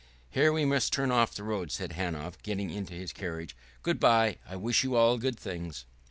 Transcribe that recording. "Here we must turn off to the right," said Hanov, getting into his carriage. "Good by! I wish you all things good!"